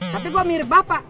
tapi gue mirip bapak